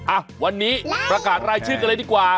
อ่ะวันนี้ประกาศรายชื่อกันเลยดีกว่า